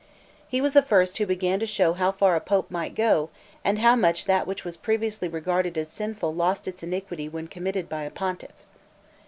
He was the first who began to show how far a pope might go, and how much that which was previously regarded as sinful lost its iniquity when committed by a pontiff.